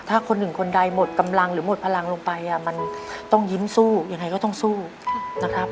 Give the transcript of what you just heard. ถ้าคนหนึ่งคนใดหมดกำลังหรือหมดพลังลงไปมันต้องยิ้มสู้ยังไงก็ต้องสู้นะครับ